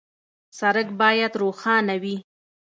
سړک باید روښانه وي.